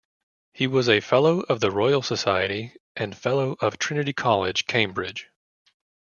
He was a fellow of the Royal Society and Fellow of Trinity College, Cambridge.